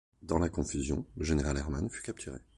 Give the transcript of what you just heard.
Dans la confusion, le général Hermann fut capturé.